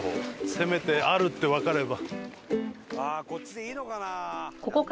せめてあるってわかれば。